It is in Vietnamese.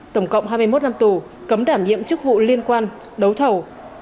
tổng cộng hai mươi một năm tù cấm đảm nhiệm chức vụ liên quan đấu thầu